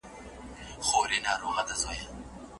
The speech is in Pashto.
ډېر زيات قيمت به واوري.